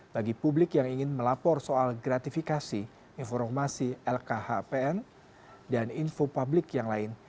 bagi publik yang ingin melapor soal gratifikasi informasi lkhpn dan info publik yang lain